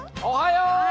おはよう！